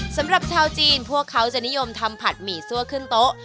สำหรับชาวจีนพวกเขาจะนิยมทำผัดหมี่ซั่วขึ้นโต๊ะ